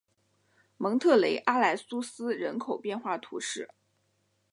蒙特雷阿莱苏斯人口变化图示